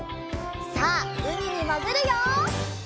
さあうみにもぐるよ！